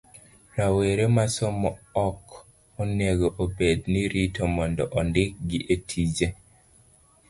Rawere mosomo ok onego obed ni rito mondo ondikgi etije.